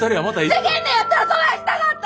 でけんねやったらそないしたかった！